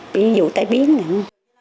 ví dụ tay biến nặng